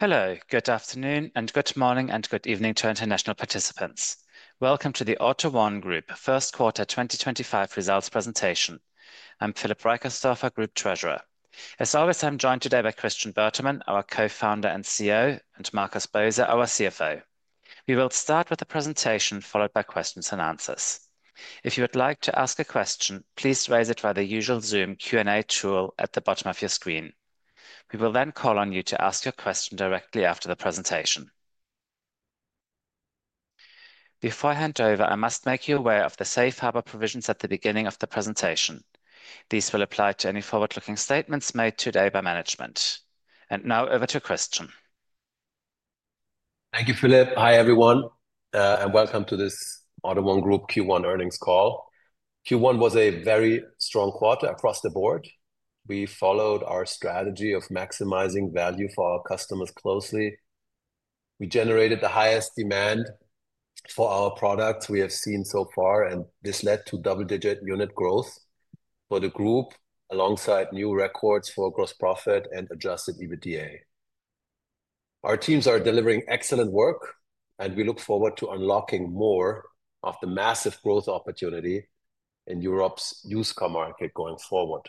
Hello, good afternoon, and good morning, and good evening to international participants. Welcome to the AUTO1 Group First Quarter 2025 Results Presentation. I'm Philip Reicherstorfer, Group Treasurer. As always, I'm joined today by Christian Bertermann, our Co-founder and CEO, and Markus Boser, our CFO. We will start with a presentation followed by questions and answers. If you would like to ask a question, please raise it via the usual Zoom Q&A tool at the bottom of your screen. We will then call on you to ask your question directly after the presentation. Before I hand over, I must make you aware of the safe harbor provisions at the beginning of the presentation. These will apply to any forward-looking statements made today by management. Now, over to Christian. Thank you, Philip. Hi, everyone, and welcome to this AUTO1 Group Q1 earnings call. Q1 was a very strong quarter across the board. We followed our strategy of maximizing value for our customers closely. We generated the highest demand for our products we have seen so far, and this led to double-digit unit growth for the group alongside new records for gross profit and Adjusted EBITDA. Our teams are delivering excellent work, and we look forward to unlocking more of the massive growth opportunity in Europe's used car market going forward.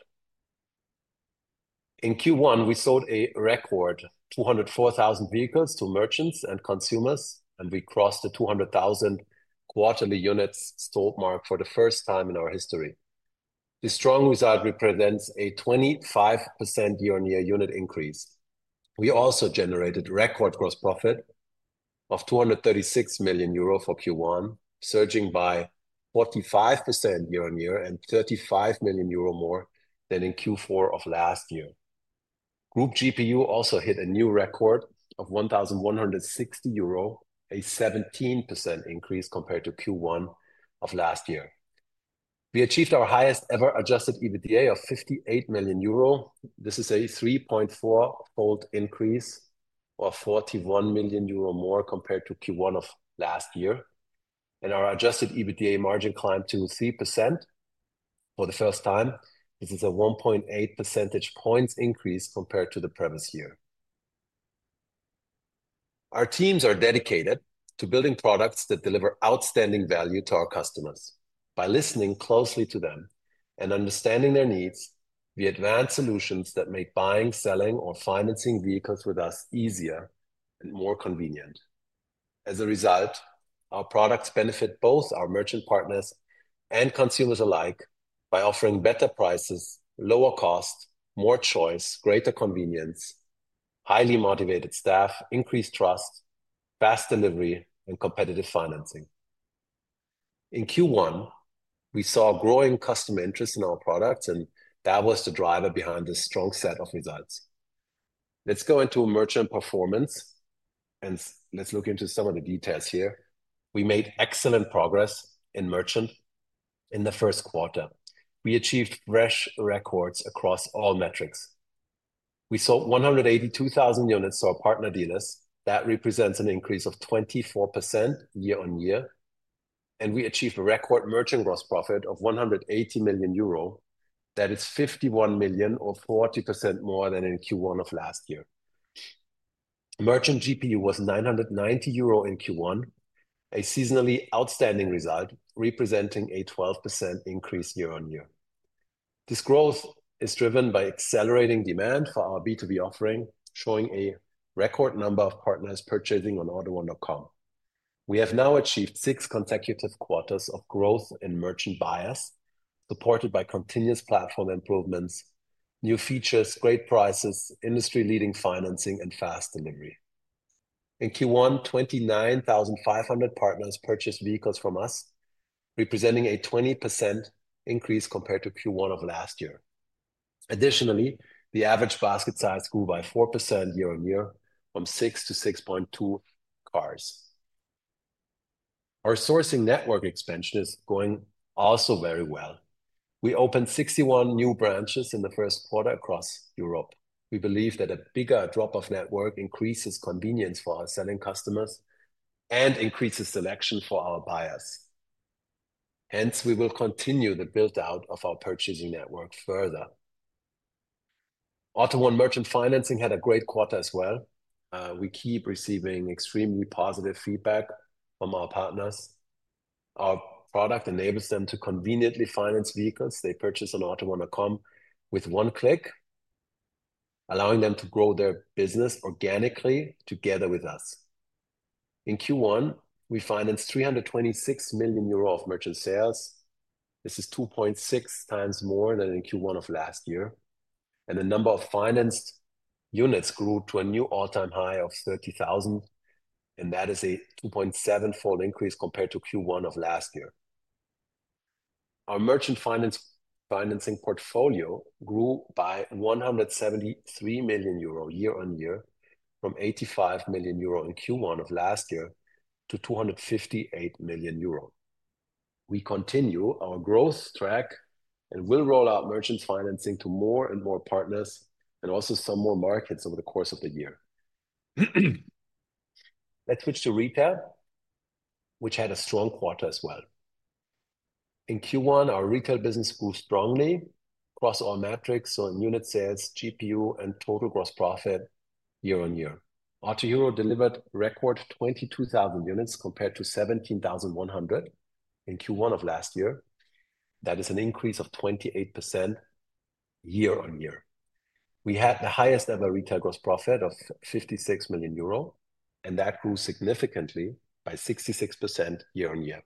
In Q1, we sold a record 204,000 vehicles to merchants and consumers, and we crossed the 200,000 quarterly units sold mark for the first time in our history. This strong result represents a 25% year-on-year unit increase. We also generated record gross profit of 236 million euro for Q1, surging by 45% year-on-year and 35 million euro more than in Q4 of last year. Group GPU also hit a new record of 1,160 euro, a 17% increase compared to Q1 of last year. We achieved our highest ever Adjusted EBITDA of 58 million euro. This is a 3.4-fold increase or 41 million euro more compared to Q1 of last year, and our Adjusted EBITDA margin climbed to 3% for the first time. This is a 1.8 percentage points increase compared to the previous year. Our teams are dedicated to building products that deliver outstanding value to our customers. By listening closely to them and understanding their needs, we advance solutions that make buying, selling, or financing vehicles with us easier and more convenient. As a result, our products benefit both our merchant partners and consumers alike by offering better prices, lower cost, more choice, greater convenience, highly motivated staff, increased trust, fast delivery, and competitive financing. In Q1, we saw growing customer interest in our products, and that was the driver behind this strong set of results. Let's go into merchant performance, and let's look into some of the details here. We made excellent progress in merchant in the first quarter. We achieved fresh records across all metrics. We sold 182,000 units to our partner dealers. That represents an increase of 24% year-on-year, and we achieved a record merchant gross profit of 180 million euro. That is 51 million, or 40% more than in Q1 of last year. Merchant GPU was 990 euro in Q1, a seasonally outstanding result representing a 12% increase year-on-year. This growth is driven by accelerating demand for our B2B offering, showing a record number of partners purchasing on auto1.com. We have now achieved six consecutive quarters of growth in merchant bias, supported by continuous platform improvements, new features, great prices, industry-leading financing, and fast delivery. In Q1, 29,500 partners purchased vehicles from us, representing a 20% increase compared to Q1 of last year. Additionally, the average basket size grew by 4% year-on-year from 6-6.2 cars. Our sourcing network expansion is going also very well. We opened 61 new branches in the first quarter across Europe. We believe that a bigger drop-off network increases convenience for our selling customers and increases selection for our buyers. Hence, we will continue the build-out of our purchasing network further. AUTO1 merchant financing had a great quarter as well. We keep receiving extremely positive feedback from our partners. Our product enables them to conveniently finance vehicles they purchase on auto1.com with one click, allowing them to grow their business organically together with us. In Q1, we financed 326 million euro of merchant sales. This is 2.6 times more than in Q1 of last year, and the number of financed units grew to a new all-time high of 30,000, and that is a 2.7-fold increase compared to Q1 of last year. Our merchant financing portfolio grew by 173 million euro year-on-year, from 85 million euro in Q1 of last year to 258 million euro. We continue our growth track and will roll out merchant financing to more and more partners and also some more markets over the course of the year. Let's switch to retail, which had a strong quarter as well. In Q1, our retail business grew strongly across all metrics, so in unit sales, GPU, and total gross profit year-on-year. AUTO1 delivered a record 22,000 units compared to 17,100 in Q1 of last year. That is an increase of 28% year-on-year. We had the highest ever retail gross profit of 56 million euro, and that grew significantly by 66% year-on-year.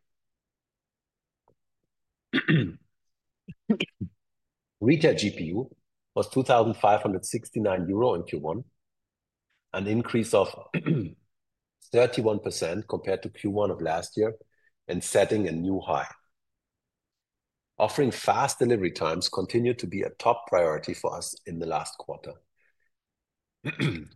Retail GPU was 2,569 euro in Q1, an increase of 31% compared to Q1 of last year and setting a new high. Offering fast delivery times continued to be a top priority for us in the last quarter.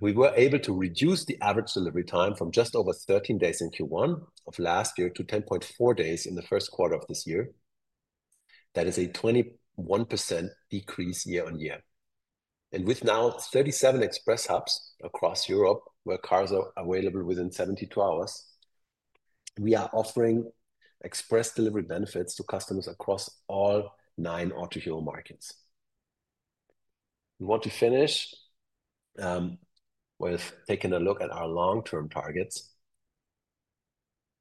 We were able to reduce the average delivery time from just over 13 days in Q1 of last year to 10.4 days in the first quarter of this year. That is a 21% decrease year-on-year. With now 37 express hubs across Europe where cars are available within 72 hours, we are offering express delivery benefits to customers across all nine AUTO1 markets. We want to finish with taking a look at our long-term targets.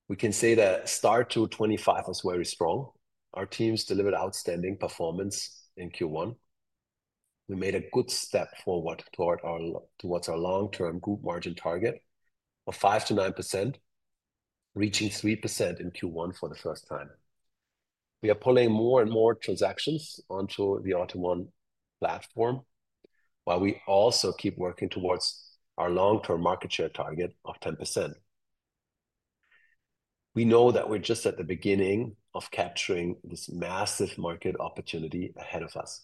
We can say that start to 2025 was very strong. Our teams delivered outstanding performance in Q1. We made a good step forward towards our long-term group margin target of 5%-9%, reaching 3% in Q1 for the first time. We are pulling more and more transactions onto the AUTO1 platform, while we also keep working towards our long-term market share target of 10%. We know that we're just at the beginning of capturing this massive market opportunity ahead of us.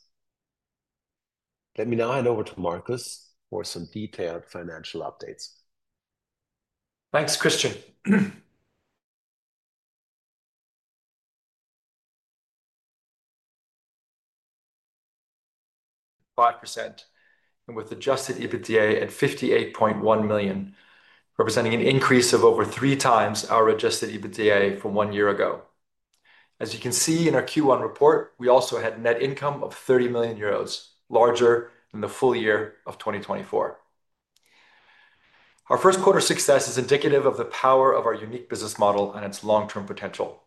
Let me now hand over to Markus for some detailed financial updates. Thanks, Christian. 25%, and with Adjusted EBITDA at 58.1 million, representing an increase of over three times our Adjusted EBITDA from one year ago. As you can see in our Q1 report, we also had net income of 30 million euros, larger than the full year of 2024. Our first quarter success is indicative of the power of our unique business model and its long-term potential.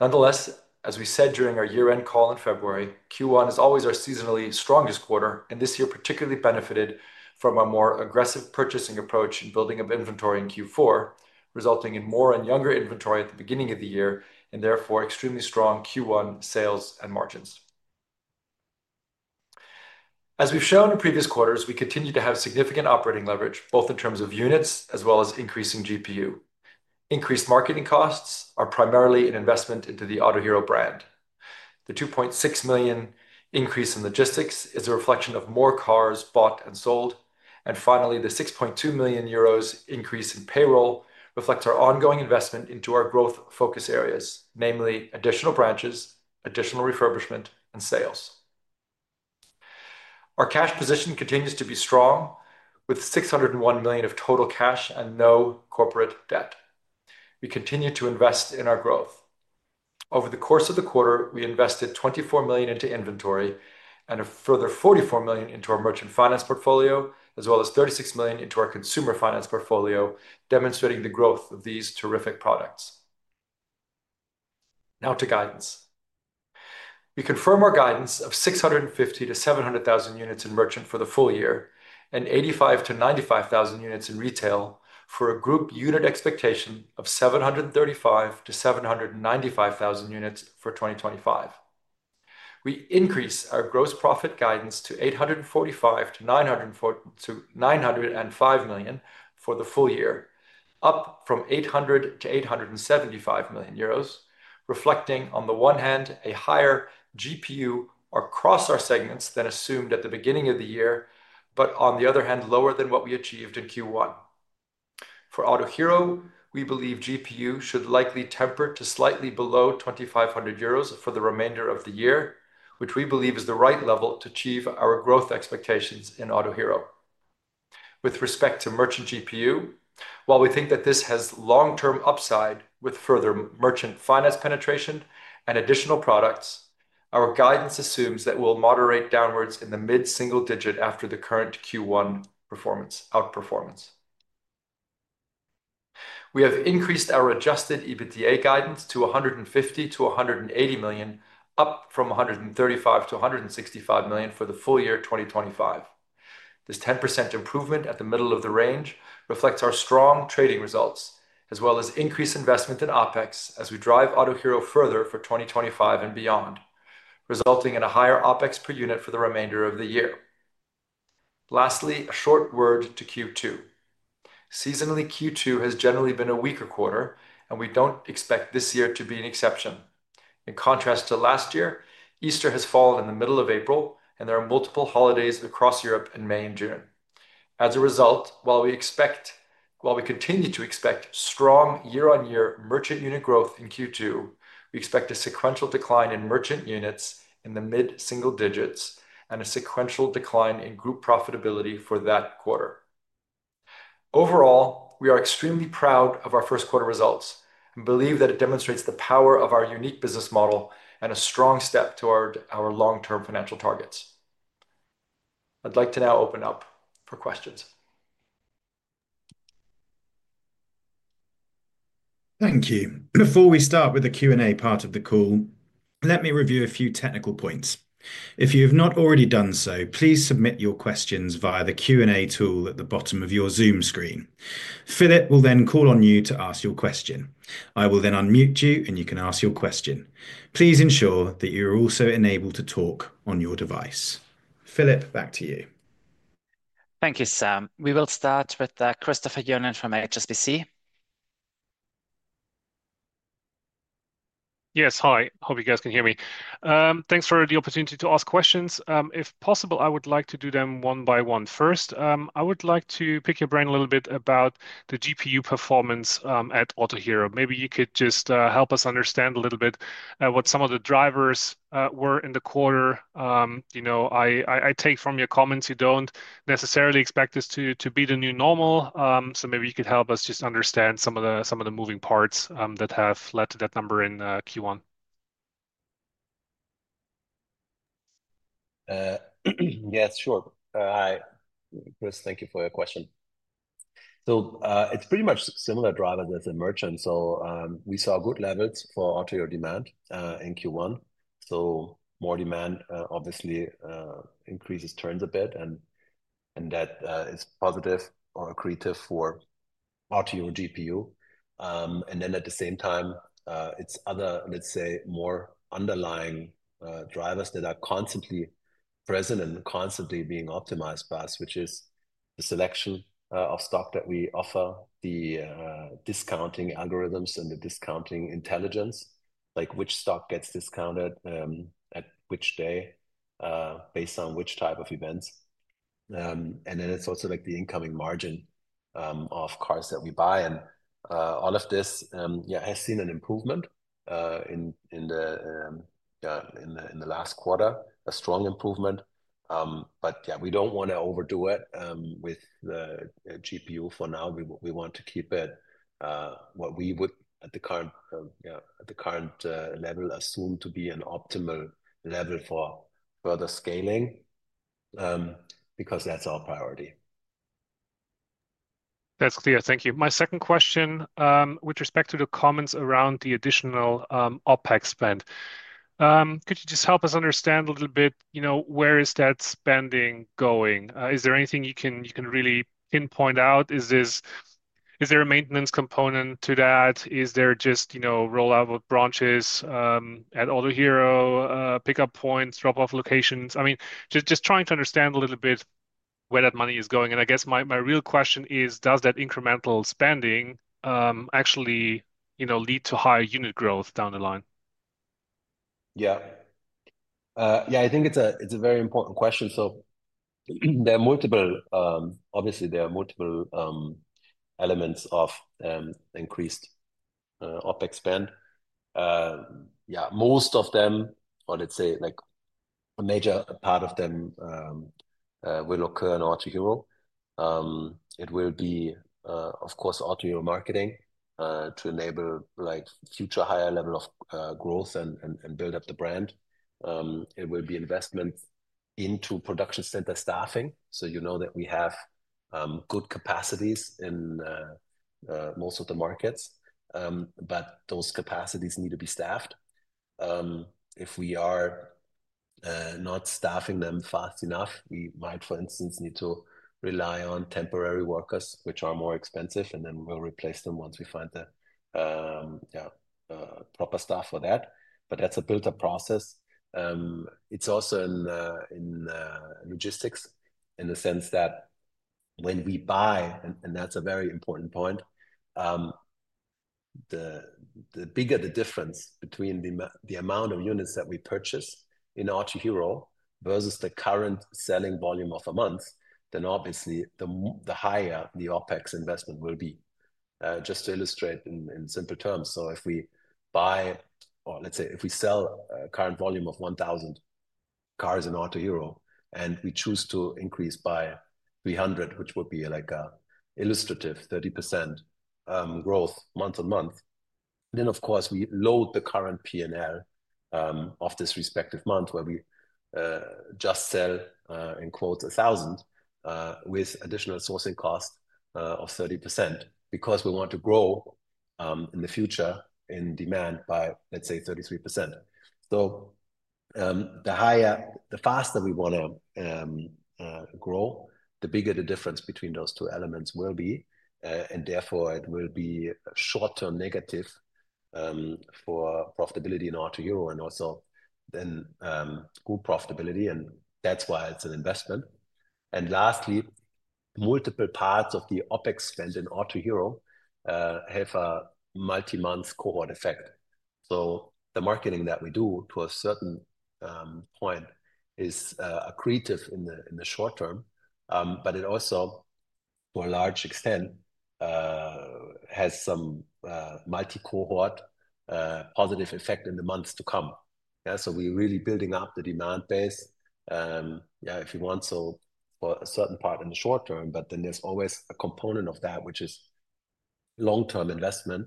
Nonetheless, as we said during our year-end call in February, Q1 is always our seasonally strongest quarter, and this year particularly benefited from a more aggressive purchasing approach in building up inventory in Q4, resulting in more and younger inventory at the beginning of the year, and therefore extremely strong Q1 sales and margins. As we've shown in previous quarters, we continue to have significant operating leverage, both in terms of units as well as increasing GPU. Increased marketing costs are primarily an investment into the Autohero brand. The 2.6 million increase in logistics is a reflection of more cars bought and sold, and finally, the 6.2 million euros increase in payroll reflects our ongoing investment into our growth focus areas, namely additional branches, additional refurbishment, and sales. Our cash position continues to be strong, with 601 million of total cash and no corporate debt. We continue to invest in our growth. Over the course of the quarter, we invested 24 million into inventory and a further 44 million into our merchant finance portfolio, as well as 36 million into our consumer finance portfolio, demonstrating the growth of these terrific products. Now to guidance. We confirm our guidance of 650,000-700,000 units in merchant for the full year and 85,000-95,000 units in retail for a group unit expectation of 735,000-795,000 units for 2025. We increase our gross profit guidance to 845 million-905 million for the full year, up from 800 million-875 million euros, reflecting on the one hand a higher GPU across our segments than assumed at the beginning of the year, but on the other hand lower than what we achieved in Q1. For Autohero, we believe GPU should likely temper to slightly below 2,500 euros for the remainder of the year, which we believe is the right level to achieve our growth expectations in Autohero. With respect to merchant GPU, while we think that this has long-term upside with further merchant finance penetration and additional products, our guidance assumes that we'll moderate downwards in the mid-single digit after the current Q1 outperformance. We have increased our Adjusted EBITDA guidance to 150 million-180 million, up from 135 million-165 million for the full year 2025. This 10% improvement at the middle of the range reflects our strong trading results, as well as increased investment in OpEx as we drive Autohero further for 2025 and beyond, resulting in a higher OpEx per unit for the remainder of the year. Lastly, a short word to Q2. Seasonally, Q2 has generally been a weaker quarter, and we don't expect this year to be an exception. In contrast to last year, Easter has fallen in the middle of April, and there are multiple holidays across Europe in May and June. As a result, while we continue to expect strong year-on-year merchant unit growth in Q2, we expect a sequential decline in merchant units in the mid-single digits and a sequential decline in group profitability for that quarter. Overall, we are extremely proud of our first quarter results and believe that it demonstrates the power of our unique business model and a strong step toward our long-term financial targets. I'd like to now open up for questions. Thank you. Before we start with the Q&A part of the call, let me review a few technical points. If you have not already done so, please submit your questions via the Q&A tool at the bottom of your Zoom screen. Philip will then call on you to ask your question. I will then unmute you, and you can ask your question. Please ensure that you are also enabled to talk on your device. Philip, back to you. Thank you, Sam. We will start with Christopher Johnen from HSBC. Yes, hi. Hope you guys can hear me. Thanks for the opportunity to ask questions. If possible, I would like to do them one by one. First, I would like to pick your brain a little bit about the GPU performance at Autohero. Maybe you could just help us understand a little bit what some of the drivers were in the quarter. I take from your comments you do not necessarily expect this to be the new normal, so maybe you could help us just understand some of the moving parts that have led to that number in Q1. Yes, sure. Hi, Chris. Thank you for your question. It is pretty much a similar driver with the merchant. We saw good levels for Autohero demand in Q1. More demand obviously increases turns a bit, and that is positive or accretive for Autohero GPU. At the same time, it is other, let's say, more underlying drivers that are constantly present and constantly being optimized by us, which is the selection of stock that we offer, the discounting algorithms and the discounting intelligence, like which stock gets discounted at which day based on which type of events. It is also like the incoming margin of cars that we buy. All of this has seen an improvement in the last quarter, a strong improvement. We do not want to overdo it with the GPU for now. We want to keep it what we would at the current level assume to be an optimal level for further scaling because that's our priority. That's clear. Thank you. My second question with respect to the comments around the additional OpEx spend. Could you just help us understand a little bit where is that spending going? Is there anything you can really pinpoint out? Is there a maintenance component to that? Is there just rollout with branches at Autohero pickup points, drop-off locations? I mean, just trying to understand a little bit where that money is going. I guess my real question is, does that incremental spending actually lead to higher unit growth down the line? Yeah. Yeah, I think it's a very important question. There are multiple, obviously, there are multiple elements of increased OpEx spend. Yeah, most of them, or let's say a major part of them, will occur in Autohero. It will be, of course, Autohero marketing to enable future higher level of growth and build up the brand. It will be investment into production center staffing. You know that we have good capacities in most of the markets, but those capacities need to be staffed. If we are not staffing them fast enough, we might, for instance, need to rely on temporary workers, which are more expensive, and then we'll replace them once we find the proper staff for that. That's a built-up process. It's also in logistics in the sense that when we buy, and that's a very important point, the bigger the difference between the amount of units that we purchase in Autohero versus the current selling volume of a month, then obviously the higher the OpEx investment will be. Just to illustrate in simple terms, if we buy, or let's say if we sell a current volume of 1,000 cars in Autohero, and we choose to increase by 300, which would be like an illustrative 30% growth month on month, then of course we load the current P&L of this respective month where we just sell, in quotes, 1,000 with additional sourcing cost of 30% because we want to grow in the future in demand by, let's say, 33%. The faster we want to grow, the bigger the difference between those two elements will be, and therefore it will be a short-term negative for profitability in Autohero and also then group profitability. That is why it is an investment. Lastly, multiple parts of the OpEx spend in Autohero have a multi-month cohort effect. The marketing that we do to a certain point is creative in the short term, but it also, to a large extent, has some multi-cohort positive effect in the months to come. Yeah, we are really building up the demand base, yeah, if you want, for a certain part in the short term, but then there is always a component of that which is long-term investment.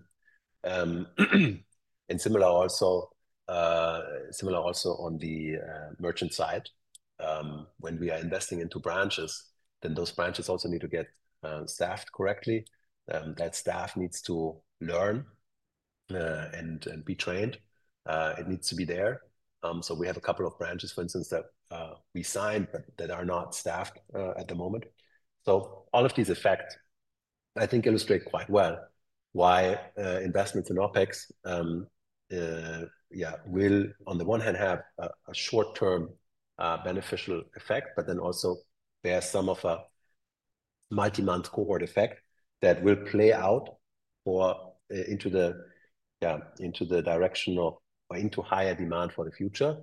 Similar also on the merchant side, when we are investing into branches, those branches also need to get staffed correctly. That staff needs to learn and be trained. It needs to be there. We have a couple of branches, for instance, that we signed, but that are not staffed at the moment. All of these effects, I think, illustrate quite well why investments in OpEx, yeah, will on the one hand have a short-term beneficial effect, but then also bear some of a multi-month cohort effect that will play out into the direction of or into higher demand for the future.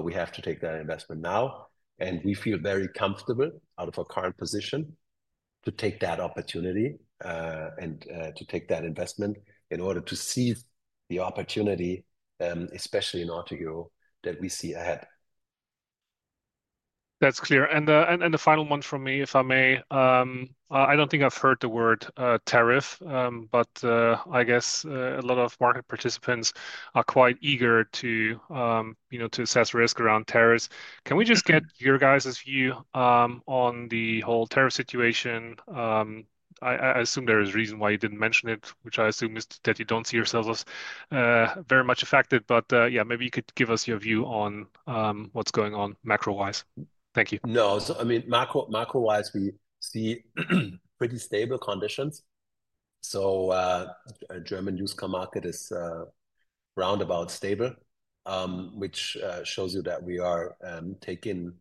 We have to take that investment now, and we feel very comfortable out of our current position to take that opportunity and to take that investment in order to seize the opportunity, especially in Autohero that we see ahead. That's clear. The final one from me, if I may. I do not think I have heard the word tariff, but I guess a lot of market participants are quite eager to assess risk around tariffs. Can we just get your guys' view on the whole tariff situation? I assume there is a reason why you did not mention it, which I assume is that you do not see yourselves as very much affected, but yeah, maybe you could give us your view on what is going on macro-wise. Thank you. No, I mean, macro-wise, we see pretty stable conditions. The German used car market is roundabout stable, which shows you that we are taking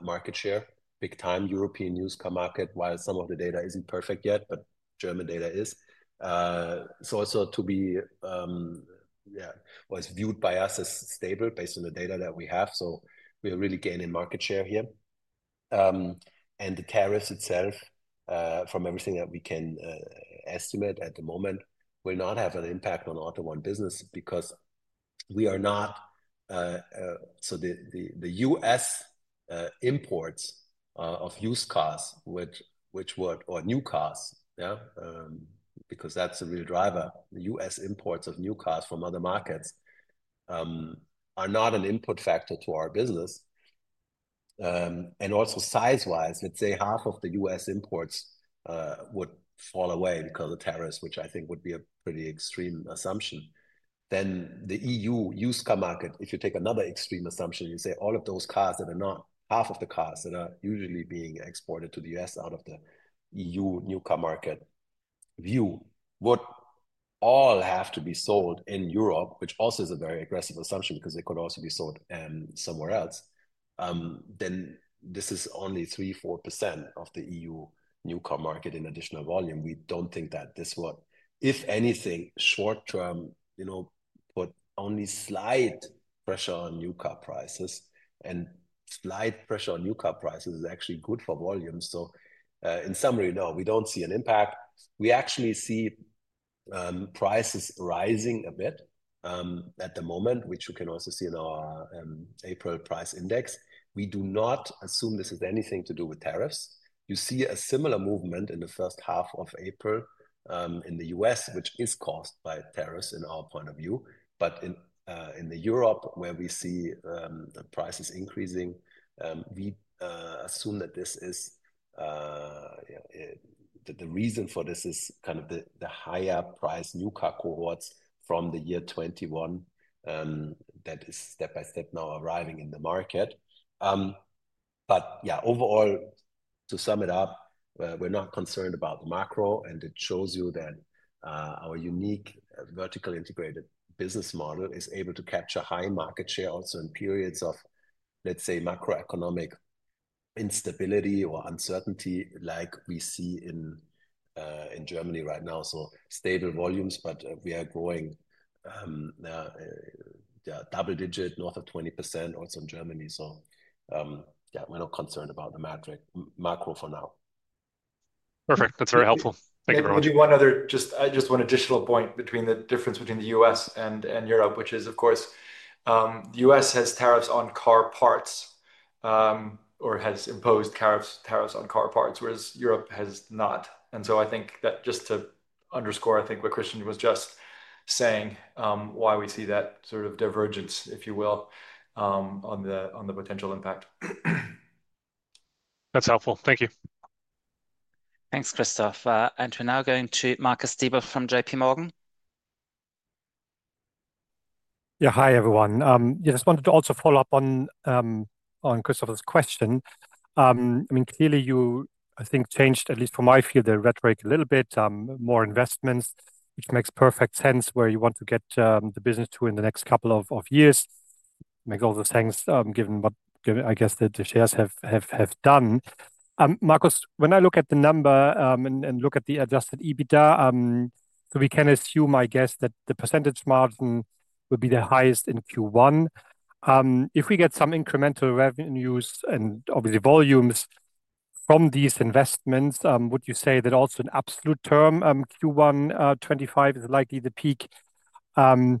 market share, big-time European used car market, while some of the data is not perfect yet, but German data is. That was viewed by us as stable based on the data that we have. We are really gaining market share here. The tariffs itself, from everything that we can estimate at the moment, will not have an impact on AUTO1 business because we are not, the U.S. imports of used cars, which would, or new cars, because that is a real driver, the U.S. imports of new cars from other markets are not an input factor to our business. Also, size-wise, let's say half of the U.S. imports would fall away because of tariffs, which I think would be a pretty extreme assumption. If you take another extreme assumption, you say all of those cars that are not half of the cars that are usually being exported to the U.S. out of the EU new car market view would all have to be sold in Europe, which also is a very aggressive assumption because they could also be sold somewhere else. This is only 3%-4% of the EU new car market in additional volume. We don't think that this would, if anything, short-term put only slight pressure on new car prices, and slight pressure on new car prices is actually good for volume. In summary, no, we don't see an impact. We actually see prices rising a bit at the moment, which you can also see in our April price index. We do not assume this has anything to do with tariffs. You see a similar movement in the first half of April in the U.S., which is caused by tariffs in our point of view. In Europe, where we see prices increasing, we assume that the reason for this is kind of the higher price new car cohorts from the year 2021 that is step by step now arriving in the market. Yeah, overall, to sum it up, we're not concerned about macro, and it shows you that our unique vertically integrated business model is able to capture high market share also in periods of, let's say, macroeconomic instability or uncertainty like we see in Germany right now. Stable volumes, but we are growing double-digit, north of 20% also in Germany. Yeah, we're not concerned about the macro for now. Perfect. That's very helpful. Thank you very much. I do one other, just one additional point between the difference between the U.S. and Europe, which is, of course, the U.S. has tariffs on car parts or has imposed tariffs on car parts, whereas Europe has not. I think that just to underscore, I think what Christian was just saying, why we see that sort of divergence, if you will, on the potential impact. That's helpful. Thank you. Thanks, Christoph. We are now going to Marcus Dibiel from JPMorgan. Yeah, hi everyone. Yeah, just wanted to also follow up on Christopher's question. I mean, clearly you, I think, changed, at least from my field, the rhetoric a little bit, more investments, which makes perfect sense where you want to get the business to in the next couple of years. Makes all the sense given what, I guess, the shares have done. Marcus, when I look at the number and look at the Adjusted EBITDA, we can assume, I guess, that the percentage margin will be the highest in Q1. If we get some incremental revenues and obviously volumes from these investments, would you say that also in absolute term, Q1 2025 is likely the peak? And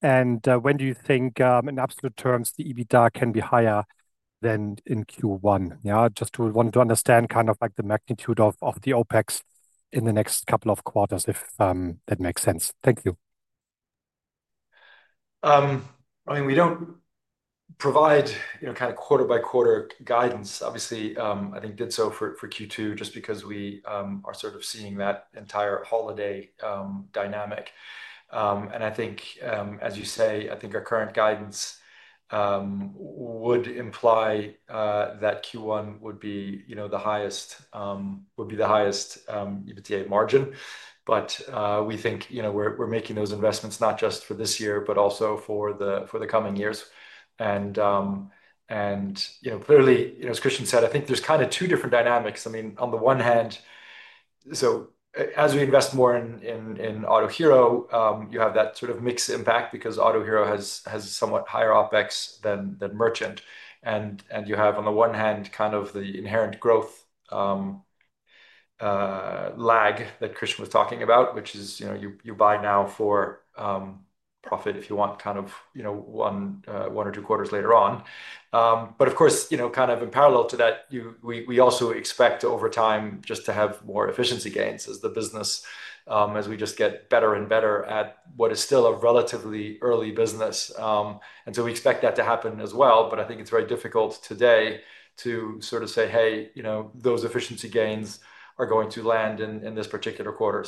when do you think in absolute terms the EBITDA can be higher than in Q1? Yeah, just to want to understand kind of like the magnitude of the OpEx in the next couple of quarters, if that makes sense. Thank you. I mean, we do not provide kind of quarter-by-quarter guidance. Obviously, I think did so for Q2 just because we are sort of seeing that entire holiday dynamic. I think, as you say, I think our current guidance would imply that Q1 would be the highest, would be the highest EBITDA margin. We think we are making those investments not just for this year, but also for the coming years. Clearly, as Christian said, I think there are kind of two different dynamics. I mean, on the one hand, as we invest more in Autohero, you have that sort of mixed impact because Autohero has somewhat higher OpEx than merchant. You have, on the one hand, kind of the inherent growth lag that Christian was talking about, which is you buy now for profit if you want kind of one or two quarters later on. Of course, kind of in parallel to that, we also expect over time just to have more efficiency gains as the business, as we just get better and better at what is still a relatively early business. We expect that to happen as well. I think it's very difficult today to sort of say, hey, those efficiency gains are going to land in this particular quarter.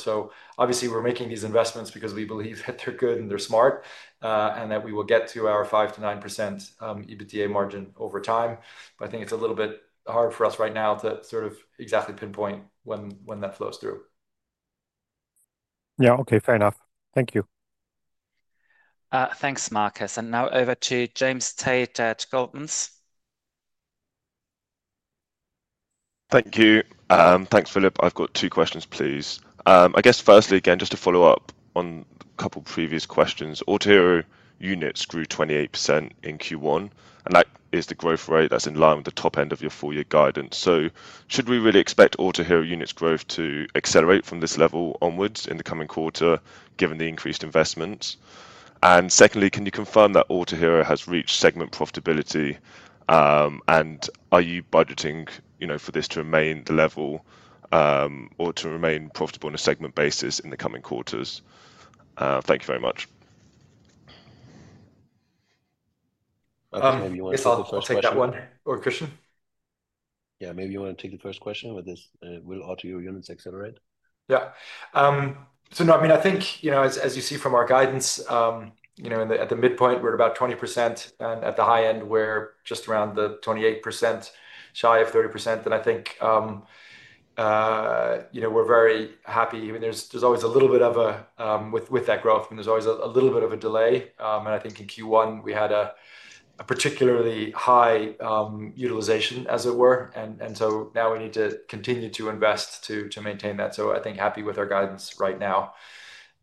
Obviously, we're making these investments because we believe that they're good and they're smart and that we will get to our 5%-9% EBITDA margin over time. I think it's a little bit hard for us right now to sort of exactly pinpoint when that flows through. Yeah, okay, fair enough. Thank you. Thanks, Marcus. Now over to James Tate at Goldmans. Thank you. Thanks, Philip. I've got two questions, please. I guess firstly, again, just to follow up on a couple of previous questions. Autohero units grew 28% in Q1, and that is the growth rate that's in line with the top end of your four-year guidance. Should we really expect Autohero units growth to accelerate from this level onwards in the coming quarter, given the increased investments? Secondly, can you confirm that Autohero has reached segment profitability? Are you budgeting for this to remain the level or to remain profitable on a segment basis in the coming quarters? Thank you very much. Maybe you want to take that one or Christian? Yeah, maybe you want to take the first question with this. Will Autohero units accelerate? Yeah. No, I mean, I think as you see from our guidance, at the midpoint, we're at about 20%, and at the high end, we're just around the 28%, shy of 30%. I think we're very happy. I mean, there's always a little bit of a, with that growth, I mean, there's always a little bit of a delay. I think in Q1, we had a particularly high utilization, as it were. Now we need to continue to invest to maintain that. I think happy with our guidance right now.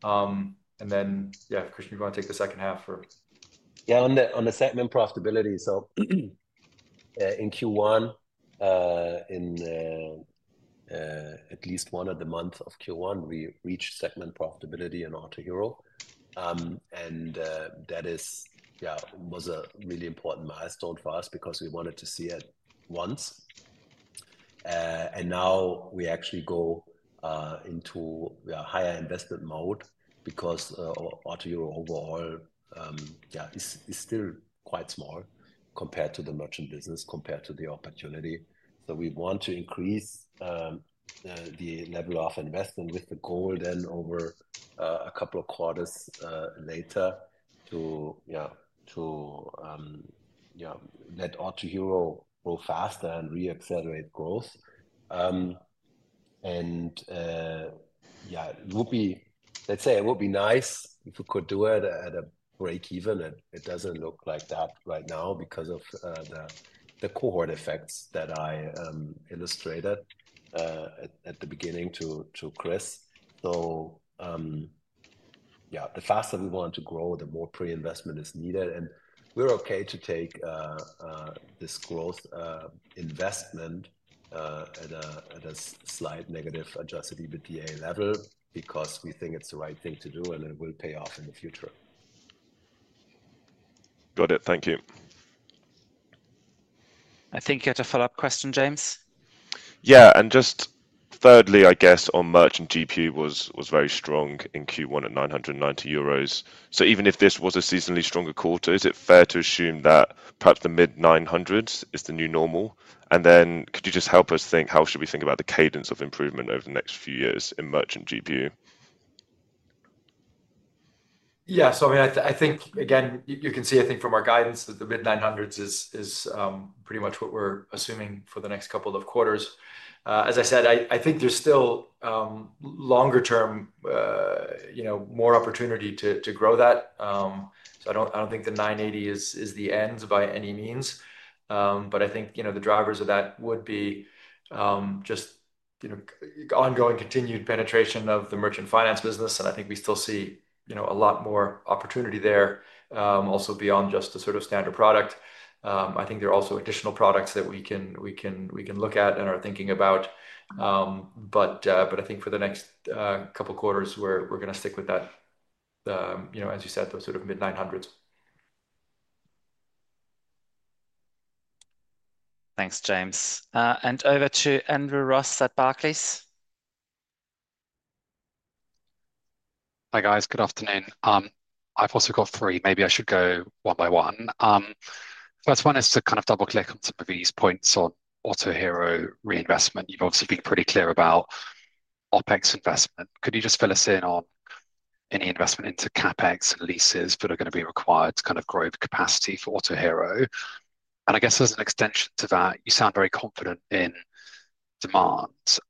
Yeah, Christian, you want to take the second half or? Yeah, on the segment profitability. In Q1, in at least one of the months of Q1, we reached segment profitability in Autohero. That is, yeah, was a really important milestone for us because we wanted to see it once. Now we actually go into higher investment mode because Autohero overall, yeah, is still quite small compared to the merchant business, compared to the opportunity. We want to increase the level of investment with the goal then over a couple of quarters later to, yeah, to let Autohero grow faster and reaccelerate growth. Yeah, it would be, let's say it would be nice if we could do it at a breakeven. It does not look like that right now because of the cohort effects that I illustrated at the beginning to Chris. Yeah, the faster we want to grow, the more pre-investment is needed. We're okay to take this growth investment at a slight negative Adjusted EBITDA level because we think it's the right thing to do and it will pay off in the future. Got it. Thank you. I think you had a follow-up question, James. Yeah. And just thirdly, I guess on merchant GPU was very strong in Q1 at 990 euros. So even if this was a seasonally stronger quarter, is it fair to assume that perhaps the mid-900s is the new normal? And then could you just help us think, how should we think about the cadence of improvement over the next few years in merchant GPU? Yeah. So I mean, I think, again, you can see, I think from our guidance that the mid-900s is pretty much what we're assuming for the next couple of quarters. As I said, I think there's still longer-term, more opportunity to grow that. I don't think the 980 is the end by any means. I think the drivers of that would be just ongoing continued penetration of the merchant finance business. I think we still see a lot more opportunity there also beyond just the sort of standard product. I think there are also additional products that we can look at and are thinking about. I think for the next couple of quarters, we're going to stick with that, as you said, those sort of mid-900s. Thanks, James. Over to Andrew Ross at Barclays. Hi guys. Good afternoon. I've also got three. Maybe I should go one by one. First one is to kind of double-click on some of these points on Autohero reinvestment. You've obviously been pretty clear about OpEx investment. Could you just fill us in on any investment into CapEx and leases that are going to be required to kind of grow the capacity for Autohero? I guess as an extension to that, you sound very confident in demands.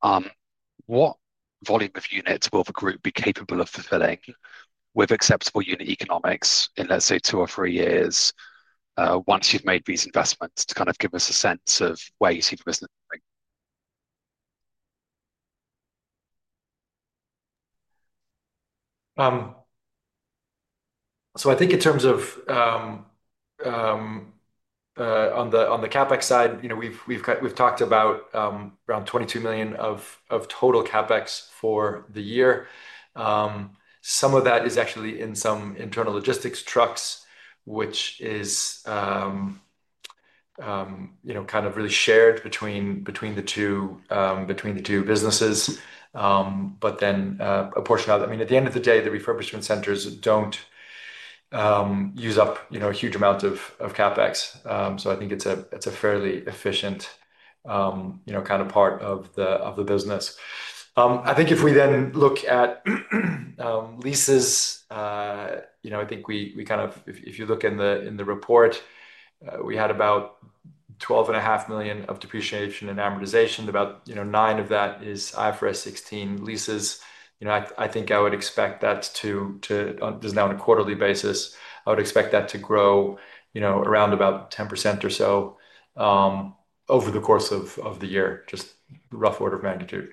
What volume of units will the group be capable of fulfilling with acceptable unit economics in, let's say, two or three years once you've made these investments to kind of give us a sense of where you see the business going? I think in terms of on the CapEx side, we've talked about around 22 million of total CapEx for the year. Some of that is actually in some internal logistics trucks, which is kind of really shared between the two businesses. But then a portion of it, I mean, at the end of the day, the refurbishment centers do not use up huge amounts of CapEx. I think it is a fairly efficient kind of part of the business. I think if we then look at leases, I think we kind of, if you look in the report, we had about 12.5 million of depreciation and amortization. About 9 million of that is IFRS 16 leases. I think I would expect that to, just now on a quarterly basis, I would expect that to grow around about 10% or so over the course of the year, just rough order of magnitude.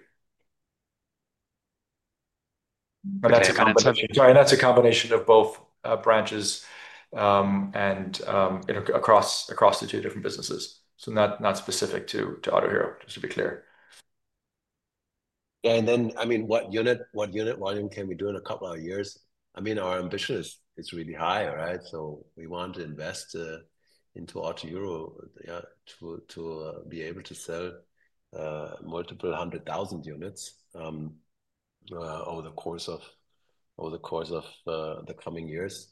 That is a combination of both branches and across the two different businesses. Not specific to Autohero, just to be clear. Yeah. I mean, what unit volume can we do in a couple of years? I mean, our ambition is really high, right? We want to invest into Autohero to be able to sell multiple hundred thousand units over the course of the coming years.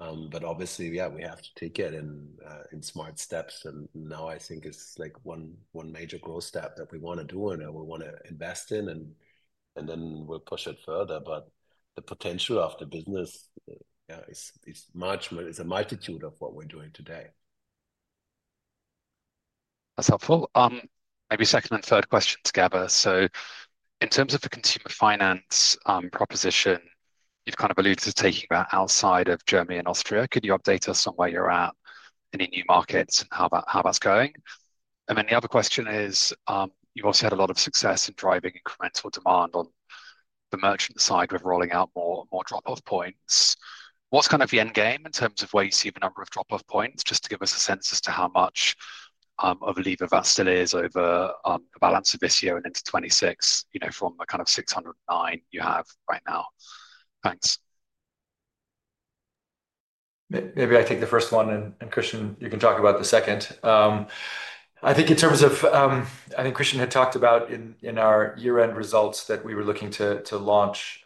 Obviously, we have to take it in smart steps. Now I think it is like one major growth step that we want to do and we want to invest in, and then we will push it further. The potential of the business is a multitude of what we are doing today. That's helpful. Maybe second and third question together. In terms of the consumer finance proposition, you've kind of alluded to taking that outside of Germany and Austria. Could you update us on where you're at, any new markets, and how that's going? The other question is, you've also had a lot of success in driving incremental demand on the merchant side with rolling out more drop-off points. What's kind of the end game in terms of where you see the number of drop-off points? Just to give us a sense as to how much of a lever that still is over the balance of this year and into 2026 from the kind of 609 you have right now. Thanks. Maybe I take the first one, and Christian, you can talk about the second. I think in terms of, I think Christian had talked about in our year-end results that we were looking to launch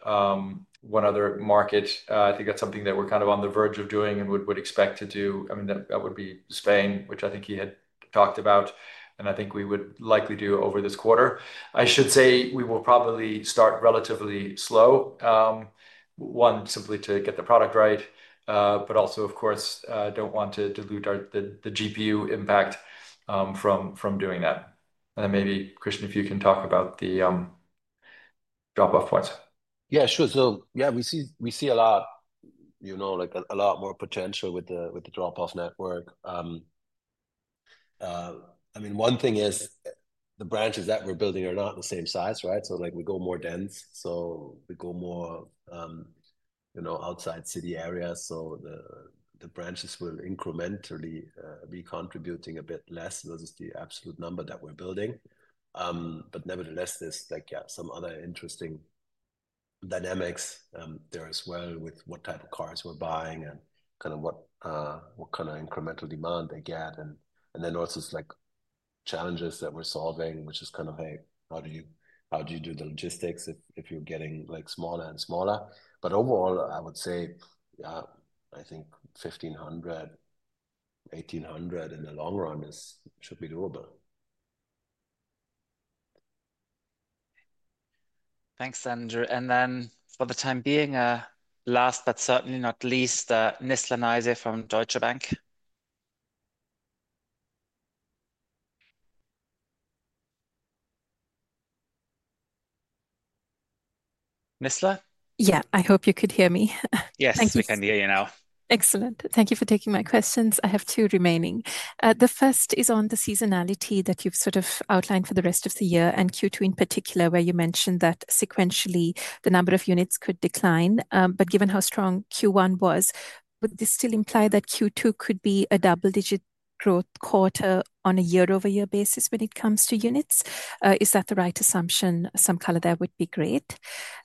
one other market. I think that's something that we're kind of on the verge of doing and would expect to do. I mean, that would be Spain, which I think he had talked about, and I think we would likely do over this quarter. I should say we will probably start relatively slow, one, simply to get the product right, but also, of course, do not want to dilute the GPU impact from doing that. And then maybe, Christian, if you can talk about the drop-off points. Yeah, sure. Yeah, we see a lot, like a lot more potential with the drop-off network. I mean, one thing is the branches that we're building are not the same size, right? We go more dense. We go more outside city areas. The branches will incrementally be contributing a bit less. That is the absolute number that we're building. Nevertheless, there's some other interesting dynamics there as well with what type of cars we're buying and kind of what kind of incremental demand they get. Also, it's like challenges that we're solving, which is kind of, hey, how do you do the logistics if you're getting smaller and smaller? Overall, I would say, yeah, I think 1,500-1,800 in the long run should be doable. Thanks, Andrew. For the time being, last but certainly not least, Nizla Naizer from Deutsche Bank. Nizla? Yeah, I hope you could hear me. Yes, we can hear you now. Excellent. Thank you for taking my questions. I have two remaining. The first is on the seasonality that you've sort of outlined for the rest of the year and Q2 in particular, where you mentioned that sequentially the number of units could decline. Given how strong Q1 was, would this still imply that Q2 could be a double-digit growth quarter on a year-over-year basis when it comes to units? Is that the right assumption? Some color there would be great.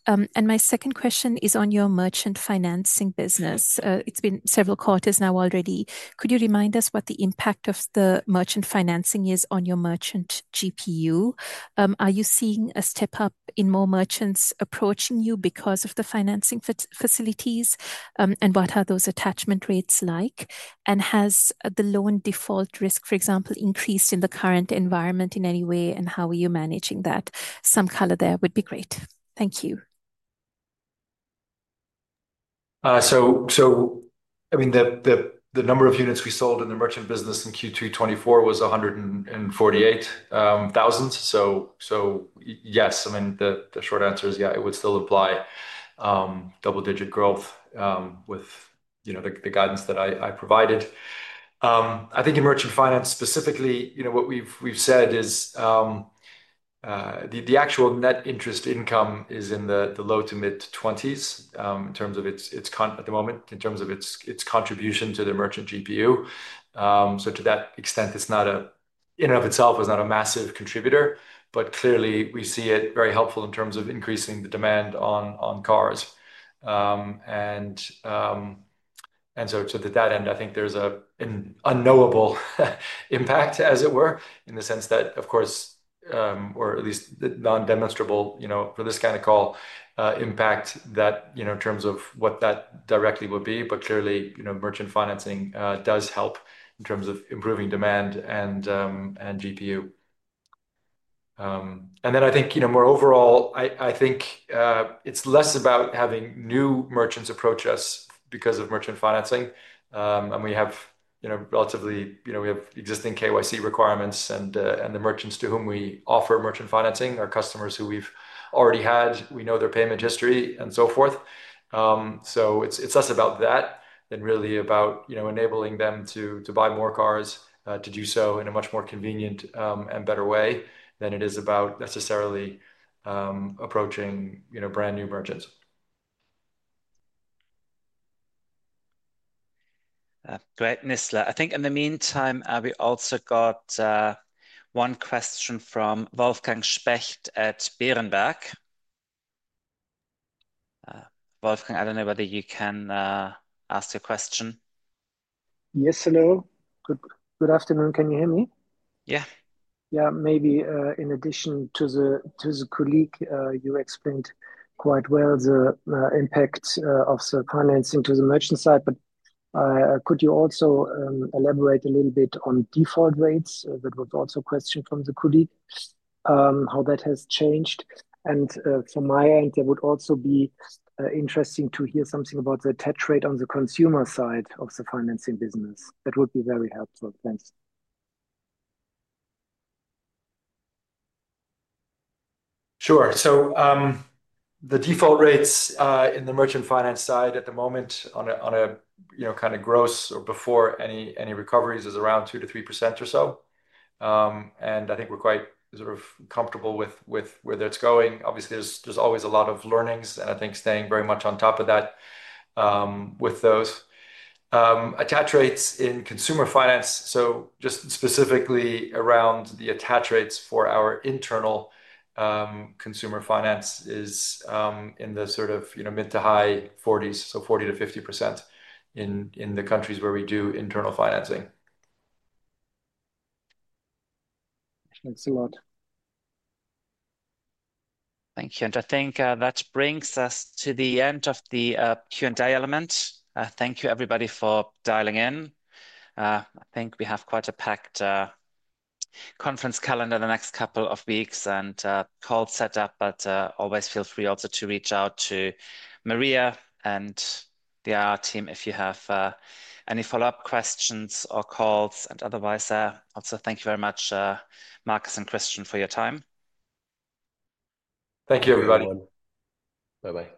My second question is on your merchant financing business. It's been several quarters now already. Could you remind us what the impact of the merchant financing is on your merchant GPU? Are you seeing a step up in more merchants approaching you because of the financing facilities? What are those attachment rates like? Has the loan default risk, for example, increased in the current environment in any way? How are you managing that? Some color there would be great. Thank you. I mean, the number of units we sold in the merchant business in Q2 2024 was 148,000. Yes, I mean, the short answer is, yeah, it would still apply double-digit growth with the guidance that I provided. I think in merchant finance specifically, what we've said is the actual net interest income is in the low to mid-20s % at the moment, in terms of its contribution to the merchant GPU. To that extent, it's not, in and of itself, a massive contributor, but clearly we see it as very helpful in terms of increasing the demand on cars. To that end, I think there's an unknowable impact, as it were, in the sense that, of course, or at least non-demonstrable for this kind of call, impact that in terms of what that directly would be. Clearly, merchant financing does help in terms of improving demand and GPU. I think more overall, I think it's less about having new merchants approach us because of merchant financing. We have existing KYC requirements, and the merchants to whom we offer merchant financing are customers who we've already had. We know their payment history and so forth. It's less about that than really about enabling them to buy more cars, to do so in a much more convenient and better way than it is about necessarily approaching brand new merchants. Great, Nizla. I think in the meantime, we also got one question from Wolfgang Specht at Berenberg. Wolfgang, I do not know whether you can ask your question. Yes, hello. Good afternoon. Can you hear me? Yeah. Yeah. Maybe in addition to the colleague, you explained quite well the impact of the financing to the merchant side. Could you also elaborate a little bit on default rates? That was also a question from the colleague, how that has changed. From my end, it would also be interesting to hear something about the tax rate on the consumer side of the financing business. That would be very helpful. Thanks. Sure. The default rates in the merchant finance side at the moment on a kind of gross or before any recoveries is around 2-3% or so. I think we're quite sort of comfortable with where that's going. Obviously, there's always a lot of learnings, and I think staying very much on top of that with those. Attach rates in consumer finance, so just specifically around the attach rates for our internal consumer finance is in the sort of mid to high 40s, so 40-50% in the countries where we do internal financing. Thanks a lot. Thank you. I think that brings us to the end of the Q&A element. Thank you, everybody, for dialing in. I think we have quite a packed conference calendar the next couple of weeks and call set up, but always feel free also to reach out to Maria and the IR team if you have any follow-up questions or calls. Otherwise, also thank you very much, Markus and Christian, for your time. Thank you, everybody. Bye-bye.